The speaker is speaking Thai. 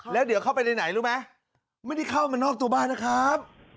แล้วเดี๋ยวเข้าไปในไหนรู้ไหมไม่ได้เข้ามานอกตัวบ้านนะครับ